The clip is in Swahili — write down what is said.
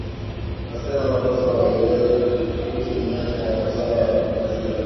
wasichana wanapaswa waelewe kuhusu umuhimu wa usawa wa kijinsia